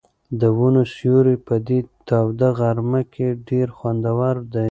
د ونو سیوری په دې توده غرمه کې ډېر خوندور دی.